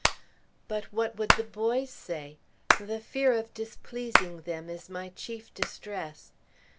But what would the boys say? The fear of displeasing them is my chief distress.